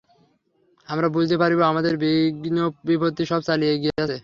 আমরা বুঝিতে পারিব, আমাদের বিঘ্নবিপত্তি সব চলিয়া গিয়াছে।